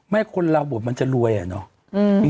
ไม่คนเราบอกว่ามันจะรวยเนอะเนอะ